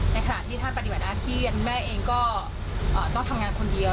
ขณะที่ท่านปฏิบัติหน้าที่คุณแม่เองก็ต้องทำงานคนเดียว